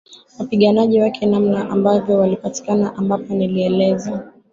wapiganaji wake namna ambavyo walipatikana ambapo nilieleza